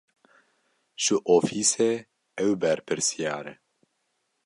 Ji ofîsê ew berpirsiyar e.